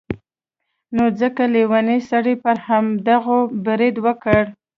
نو ځکه لیوني سړي پر همدغو برید وکړ.